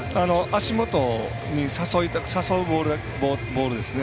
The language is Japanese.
足元に誘うボールですね。